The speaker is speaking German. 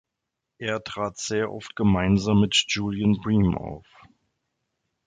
Er trat sehr oft gemeinsam mit Julian Bream auf.